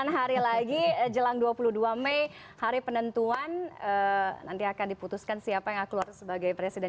delapan hari lagi jelang dua puluh dua mei hari penentuan nanti akan diputuskan siapa yang akan keluar sebagai presiden